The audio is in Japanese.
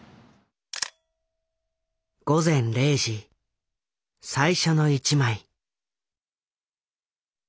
午前０時最初の１枚。